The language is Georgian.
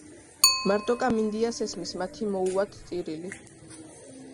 მარტოკა მინდიას ესმის მათი მოუვათ ტირილი